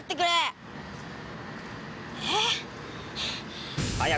えっ？